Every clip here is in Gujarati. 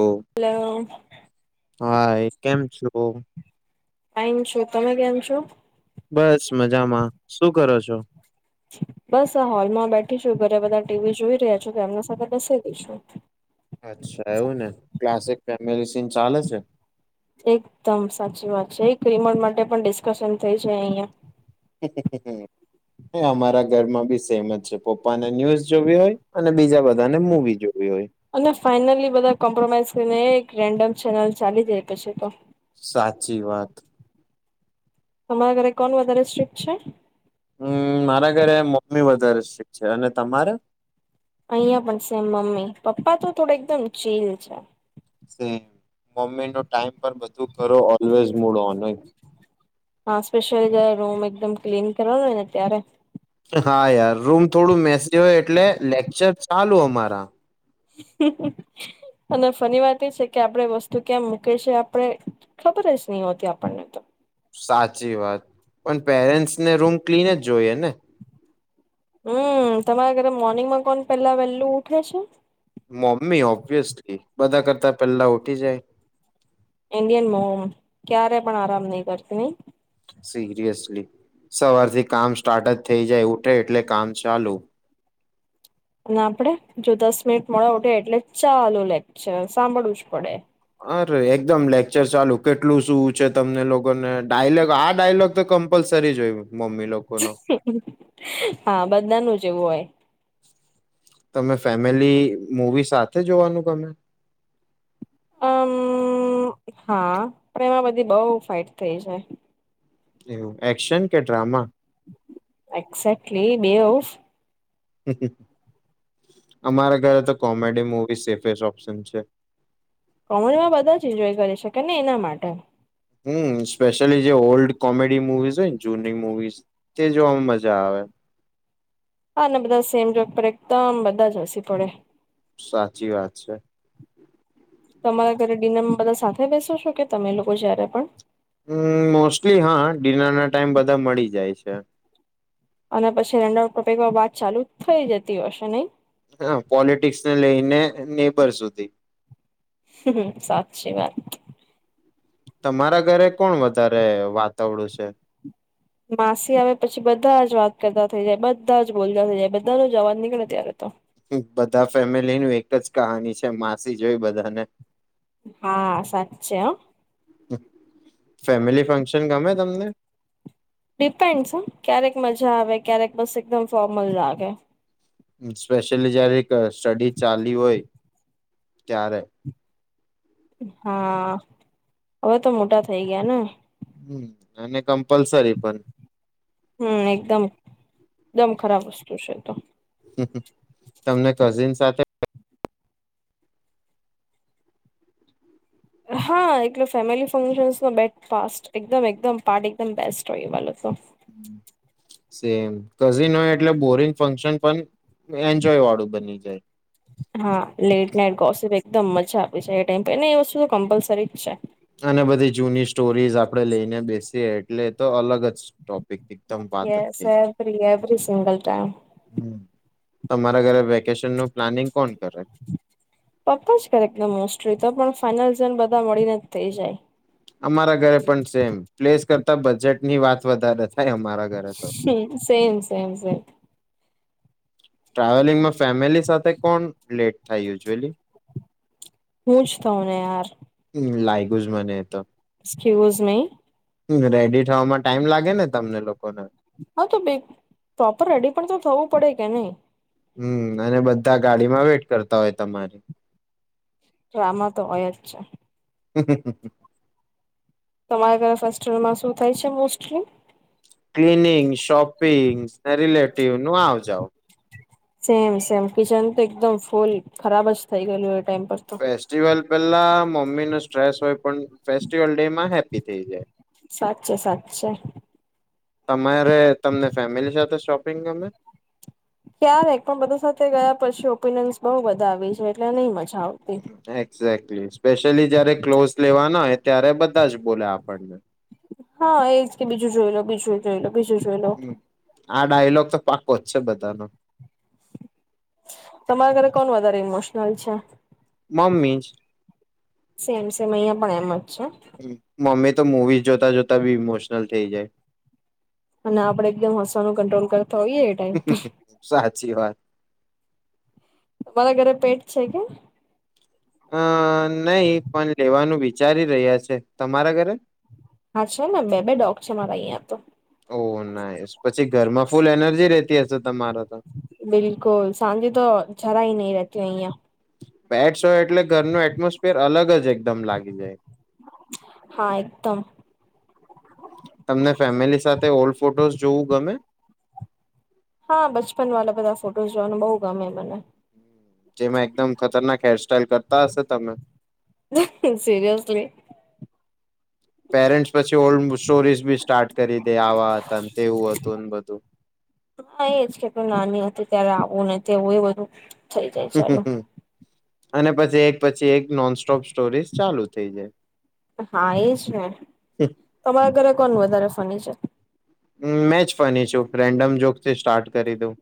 ઓ હેલો હા કેમ છો. કયામ છું. તમે કેમ છો. બસ મજામાં શું કરો છો. બસ આ હોલમાં બેઠી છું, ઘરે બધા ટીવી જોઈ રહ્યા છે. કે, એમના સાથે બેસે દઈશું. [inaudible] અચ્છા, એવું ને ક્લાસિક. મેડિસન ચાલે છે. એકદમ સાચી વાત છે. એક રિમોડ માટે પણ ડિસ્કશન થઈ છે. અહિયા, અમારા ઘરમાં બી સેમ જ છે. પપ્પાને ન્યુઝ જોવી હોય અને બીજા બધાને મવી જોવી. હોય. અને ફાઈનલી બધા કોમ્પ્રોમાઈઝ. ત એક રેન્ડમ ચેનલ ચાલી જાય પછી, તો સાચી વાત. તમારા ઘરે કોણ વધારે સ્ટ્રિક્ટ છે. દશ છે અને તમારે અહિયાં પણ સેમ મમ્મી પપ્પા તો થોડ એકદમ ચીલ છે. ન ટાઈમ બધું કરો ઓલવેઝ મળો. હા સ્પેશિયલ રૂમ એકદમ ક્લીન કરવાનું હોયને ત્યારે હા યાર રૂમ થોડું મે એટલે લેક્ચર ચાલુ અમારા અને ફની વાત એ છે કે આપડે વસ્તુ ક્યાં મૂકે છે આપણે ખબર જ નહ હોતી આપણને તો. સાચી વાત પણ પેરેન્ટ્સને રૂમ ક્લીન જ જોઈએ ને. હમ તમારા ઘરે મોર્નિંગમાં કોણ પેલા વેલું ઉઠે છે. મમ્મી ઓબ્વિયસલી બધા કરતા પેલા ઉઠી જાય. ઇન્ડિયન મોમ ક્યારે પણ આરામ નહ કરતી નહી. સિરિયસલી સવારથી કામ સ્ટાર્ટ જ થઈ જાય ઉઠે એટલે કામ ચાલુ. અને આપડે જો દસ મિનિટ મળા ઉઠ એટલે ચાલો લેક છે સાંભળવું જ પડે. અરે એકદમ લેક્ચર ચાલુ કેટલું શું છે તમને લોકોને ડાયલોગ આ ડાયલોગ તો કમ્પલસરી જય. હા બધાનું જો હોય. તમે ફેમિલી મૂવી સાથે જોવાનું ગમે. હમ હા પણ એમાં બધી બહ ફઇટ થઈ જાય. એવું. એક્શન કે ડ્રામા એક્ઝેકલી બે હ અમારા ઘરે તો કોમેડી મુવી સેફેસ્ટ ઓપ્શન છે. કોમનમાં બધા જ એન્જોય કરી શકે ને એના માટે. હમ સ્પેશિયલી જે ઓલ્ડ કોમેડી મુવીઝ હોય ને જૂની મુવીઝ તે જોવામાં મજા આવે. હા બધા સેમ જોક એકદમ બધા જ હસી પડે. સાચી વાત છે. તમારા ઘરે ડિનરમાં બધા સાથે બેસો છો કે તમે લોકો જયારે પણ. હમ મોસ્ટલી હા ડિનર ના ટાઈમ બધા મળી જાય છે. અને પછી રેન્ડઉ ટોપમાં બાદ ચાલુ જ થઈ જતી હશે નહી? હ પોલિટિક્સ ને લઈને નેબર સુધી. સાચી વાત. તમારા ઘરે કોણ વધારે વાતાવરું છે? માસી આવે પછી બધા જ વાત કરતા થઈ જાય બધા જ બોલતા થઈ જાય બધાનો જવાજ નીકળે ત્યારે તો. બધા ફેમિલીનું એક જ કહાની છે માસી જોઈ બધાને. હા સાચ છે હ. ફેમિલી ફંક્શન ગમે તમને? ડિપેન્ડસ ક્યારેક મજા આવે ક્યારેક બસ એકદમ ફોર્મલ લાગે. સ્પેશિયલી જયારે સ્ટડી ચાલી હોય ત્યારે. હા હવે તો મોટા થઇ ગયા ને. હમ અને કમ્પલસરી પણ. હમ એકદમ. એકદમ ખરાબ વસ્તુ છે તો. તમને કઝિન સાથે હા એટલે ફેમિલી ફંક્શનસ ન બેટ ફાસ્ટ એકદમ એકદમ પાર્ટ એકદમ બેસ્ટ હોય વાલો તો. સેમ કઝ ન હોય એટલે બોરિંગ ફંક્શન પણ એન્જોય વાળું બની જાય. હા લેટ નઈટ ગોસ એકદમ મજા આપી છે એ ટાઈમને એ વસ્તુ તો કમ્પલસરી જ છે. અને બધી જૂની સ્ટોરીઝ આપણે લઈને બેસીએ એટલે તો અલગ જ ટોપિક એકદમ વાત જ as every every. Single time. હમ્મ તમારા ઘરે વેકેશન નું પ્લાનિંગ કોણ કરે? પપ્પા જ કરે એકદમ મોસ્ટલી તો પણ ફાઈનલ ઝન બધા મળીને થઇ જાય. અમારા ઘરે પણ સેમ પ્લેસ કરતા બજેટ ની વાત વધારે. થાય અમારા ઘરે તો. હ સેમ સેમ સેમ. ટ્રાવેલિંગમાં ફેમિલી સાથે કોણ લેટ થ યુઝુઅલી. પૂછ તો ને યાર. લાઈગુઝ મને તો. Excuse me. રેડી થવામાં ટાઈમ લાગે ને તમને લોકોને. હા તો પ્રોપર રેડી પણ તો થવું પડે કે નહી. હમ અને બધા ગાડી માં વેટ કરતા હોય તમારે. તો આમાં તો હોય જ છે. હમ હ. તમારા ઘરે ફેસ્ટલમાં શું થાય છે મોસ્ટલી. ક્લીનિંગ શોપિંગ રિલેટિવ નું આવજાવ સેમ સેમ કિચન તો એકદમ ફૂલ ખરાબ જ થઇ ગયેલું ટાઈમ પર તો. ફેસ્ટિવલ પેલા મમ્મી નો સ્ટ્રેસ હોય પણ ડેમાં હેપી થ જાય. સાચે સાચે તમારે તમને ફેમિલી સાથે શોપિંગ ગમે. ક્યારે પણ બધા સાથે ગયા પછી ઓપિનિયન્સ બહુ બધા આવી છે એટલે નહી મળ એક્ઝેક્ટ. લી, સ્પેશિયલી જયારે ક્લોથ્સ લેવાના હોય ત્યારે બધા જ બોલે આપણને હા એજ કે બીજું જોઈ લો, બીજું જોઈ લો, બીજું જોઈ લો. હમ આ ડાયલોગ તો પાકો જ છે બધાનો. તમારા ઘરે કોણ વધારે ઇમોશન નલ છે? મમ્મીજ. સેમ સેમ, અહિયાં પણ એમ જ. છે હ મમ્મી તો મુવીઝ જોતા જોતા બી ઇમોશનલ થઈ જાય. અને આપડે એકદમ હસવાનું કંટ્રોલ કર હં હં હં, સાચી વાત. તમારા ઘરે પેટ છે કે? અંમ નહીં, પણ લેવાનું વિચારી રહ્યા છે, તમારા ઘરે? હા છે ને બે બે ડોગ છે મારા અહિયાં તો ઓ, નાઇસ પછી ઘરમાં ફૂલ એનર્જી રે. [unintelligible] બિલકુલ, સાંજે તો જરાય નહીં રે કે અઈયા. પેટ્સ હોય એટલે ઘરનું એટમોસ્ફિર અલગ જ એકદમ લાગી જાય, હા એકદમ તમને ફેમિલી સાથે ઓલ્ડ ફોટોઝ જોવું ગમે? એ જોવાનું બહુ ગમે મને. જેમાં એકદમ ખતરનાક હેરસ્ટાઈલ કરતા હશે તમે. મને સિરિયસલી પેરેન્ટ્સ પછી ઓલ્ડ મ સ્ટોરીઝ વી સ્ટાર્ટ કરી દે, આવા હતા ન તેવું હતું, ન બધું. વું ને તેવું ને એ બધું. થઈ જાય ચાલુ. અને પછી એક પછી એક નોન સ્ટોપ સ્ હા, એ જ ને, તમારા ઘરે કોન વધારે ફની છે? હં મેં જ ફની છું, રેન્ડમ જોક તે સ્ટાર્ટ કરી દઉં.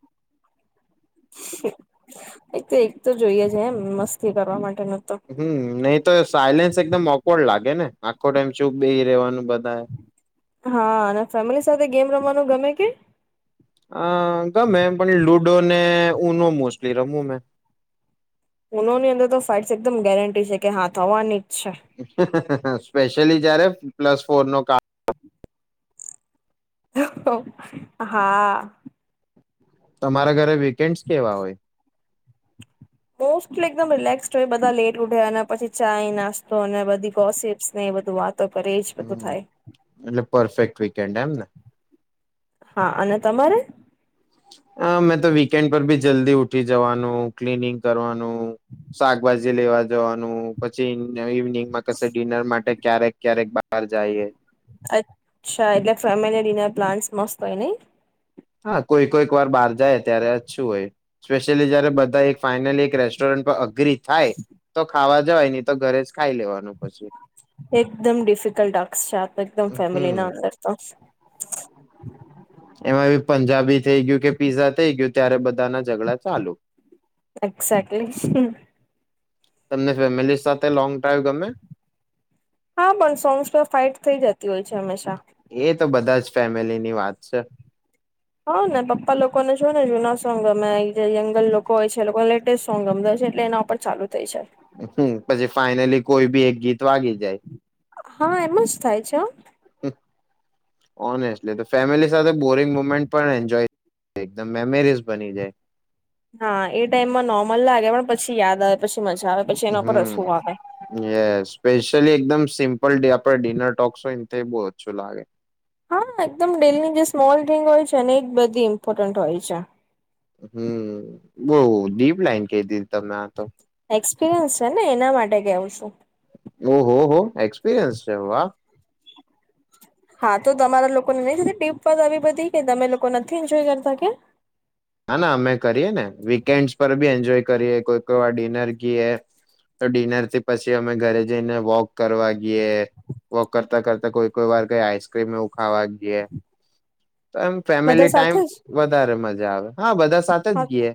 હં હં, એક તો એક તો જોઈએ જ એમ, મસ્તી કરવા માટે હંમ નહીં તો સાયલેન્સ એકદમ ઓકવર્ડ લાગે ગે ને, આખો ટાઈમ ચૂપ બેહી રેવાનું બધાએ. હા અને ફેમિલી સાથે ગેમ રમવાનું ગમે કે. અ ગમે એમ પણ લુડો ને ઉનો મોસ્ટલી રમું મે. ઉનોની અંદર તો ફાઇટ્સ એકદમ ગેરંટી છે કે હા થવાની. જ છે. સ્પેશલી. જયારે પ્લસ ફોર નો ક. હા. તમારા ઘરે ભી. કેન્ટ્સ કેવા હોય. મોસ્ટલી એકમ રિલેક્ હો બધા લેટ ઉઠે અને પછી ચાય નાસ્તો અને બધી ગોસીપ્સ ને બધ વાત. હમ્મ એટલે પરફેક્ટ વીકેન્ડ એમ ને. હા અને તમારે. અ મેં તો વીકેન્ડ પર ભી જલ્દી ઉઠી જવાનું ક્લીનિંગ કરવાનું. શાકભાજી. લેવા જવાનું પછી ઇવનિંગ માં કસે ડિનર માટે. ક્યારેક ક્યારેક બહાર જાઈએ. અચ્છા એટલે ફેમિલી ડિનર પ્લાન્ટસ મસ્ત હોય નહી. હા કોઈ કોઈક વાર બહાર જાય ત્યારે અછું હોય સ્પેશિયલી જયારે બધા એક ફાઈનલી એક રેસ્ટોરન્ટ પર અગ્રિ થાય તો ખાવા જવાય નહી તો ઘરે જ ખાઈ લેવાનું પછી એકદમ ડિફિકલ્ટ ટાક્સ છે આ. એકદમ ફેમિલી હમ ના અંદર તો એમાં પંજાબી થઈ ગયું કે પીઝા થઈ ગયું ત્યારે બધા ના ઝઘડા ચાલુ. એક્ઝેક્ટલી. તમને ફેમિલી સાથે લોંગ ડ્રાઈવ ગમે. હા પણ સોંગ્સમાં ફાઇટ થઈ જતી હોય છે હંમેશા. એ તો બધા જ ફેમિલીની વાત છે. હા ને પપ્પા લોકો ને જો ને જુના સોંગ અમે જે યંગલ લોકો હોય છે એ લોકો લેટેસ્ટ સોંગ ગમ હો છે એટલે એના ઉપર ચાલુ થઈ જાય. હમ પછી ફાઈનલી કોઈ બી એક ગીત વાગી જાય. હા એમ જ થાય છે. ઓનેસ્ટલી તો ફેમિલી સાથે બોરિંગ મુમેન્ટ પણ એન્જોય એકમ મેમરીઝ બની જાય. હા એ ટાઈમમાં નોર્મલ લાગે પણ પછી યાદ આવે પછી. પી મજા આવે પછી એના પર રસવું હમ આવે. યસ સ્પેશિયલી એકદમ સિમ્પલ આપે ડિનર ટોક્સ હોય ને તો બહુ ઓછું લાગે. હા એકદમ ડેલની જે સ્મોલ રિંગ હોય છે ને એ બધી ઇમ્પોર્ટન્ટ હોય છે. હમ બઉ ડીપ લાઈન ક દીધી તમે આ તો. એક્સપિરિયન્સ છે ને એના માટે કેવું છું. ઓહ હો એક્સપિરિયન્સ છે વા. હા તો તમારા લોકોને નહી ટ્રીપ પર આવી બધી કે તમે લોકો નથી એન્જોય કરતા કે. હા ના અમે કરીએ ને વીકેન્ડસ પર બી એન્જોય કરીએ કોઈ કોઈ વાર ડિનર ગઈએ તો ડિનરથી પછી અમે ઘરે જઈને વોક કરવા ગઈએ વોક કરતા કરતા કોઈ કોઈ વાર કઈ આઈસક્રીમ એવું ખાવા ગઈએ. તો એમ બધા ફેમિલી ટાઈમ સાથે જ? વધારે મજા આવે. હા બધા સાથે હા જ ગીએ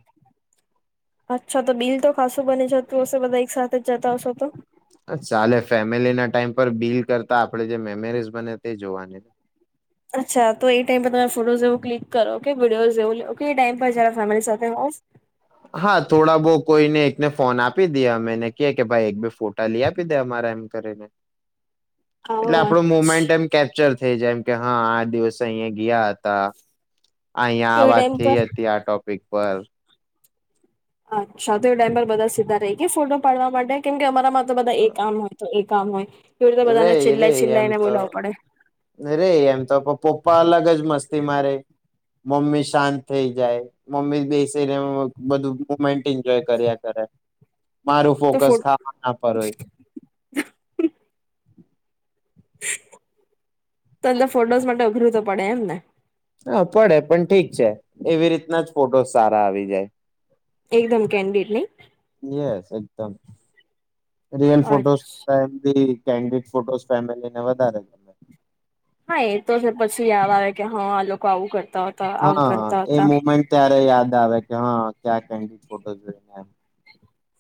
અચ્છા તો બિલ તો ખાસું બને જ. તો બધા એક સાથે. જતા હશો તો? ચાલે ફેમિલી ના ટાઈમ. પર બિલ કરતા આપણે જે મેમરીઝ બને તે જોવાની. અચ્છા તો એ ટાઈમ પર તમે ફોટોઝ એવું ક્લિક કરો કે વિડીયોઝ જેવું લ લો એ ટાઈમ પરરા ફેમિ હ [unintelligible] હા થોડા બહ કોઈને એકને ફોન આપી દે અમેને ક કે ભાઈ એક બે ફોટા લઈ આપી દે અમારા એમ કરીને. ઓ એટલે આપણું અચ્છા. મોમેન્ટમ કેપ્ચર થ જેમ કે હા આ દિવસે અહીયાયા ગયા હતા. અહીંયા તો આ એ વાત ટાઈમ થઈ પર હતી આ ટોપ પપર. હછા તોાઈમ બધા સીધા ર કે ફોટો પાડવા માટે કેમ કે અમારા તો બધા એક કમ હોય તો એક. કામ હોય. એવી રીતે રે બધાને રે છેિલ્લ્લાઈ એમ છેિલ્લાઈ ને તો બોલાવું પડે. રે એમ તો પપ્પા અલગ જ મસ્તી મારે. મમ્મી શાંત થઈ જાય મમ્મી બેસીને બધું‌ મેન્ટ એન્જોય કર્યા કરે. મારું તો ફો ફોકસ ખાવાના પર હોય. તો એલે ફોટોઝ માટે ઉઘરું તો પડે એમ ને. હા પડે પણ ઠીક છે એવી રીતના જ ફોટો સારા આવી જાય. એકદમ કેન્ડી નહી. યસ એકદમ. રિયન ફોટોઝ અચ્છા. ટમ બી કેન્ડ ફોટો ફેમલીને વધારે ગમે. હા એ તો જને પછી યાદ આવે કે હા આ લોકો આવું કરે. હા એ મુમેન્ટ ત્યારે યાદ આવે કે હા. ક્યા કેન્ડ ફોટો જોઈને એમ.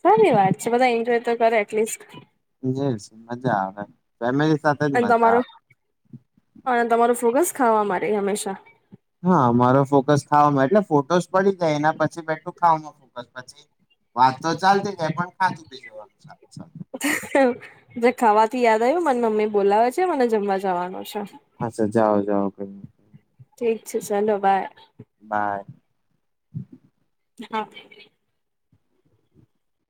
સારી વાત છે બધા એન્જોય તો કરે એટલીસ્ટ. જે છે મજા આવે ફેમ અને તમાર હ તમાર ફોકસ. ખાવા માટે હંમેશા. હા મારો ફોકસ ખા એટલે ફોટોસ પડી જાય એના પછી બેઠું ખા ફોકસ પછી વાત તો ચાલતી જાય પણ ખાતું બી જોવાનું સારું. સારું જે ખાવાથી યાદ આવ્યું મને મમ્મી બોલાવે છે મને જમવા. જવાનું છે. અચ્છા [inaudible] ઠીક છે ચાલો બાય. બાય. હા.